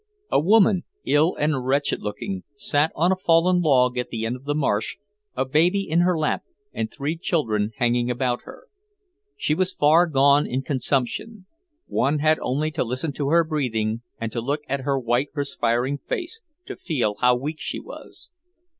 A woman, ill and wretched looking, sat on a fallen log at the end of the marsh, a baby in her lap and three children hanging about her. She was far gone in consumption; one had only to listen to her breathing and to look at her white, perspiring face to feel how weak she was.